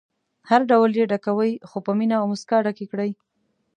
هر ډول یې ډکوئ خو په مینه او موسکا ډکې کړئ.